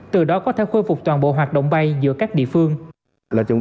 từ đó có thể khôi phục toàn bộ hoạt động bay giữa các địa phương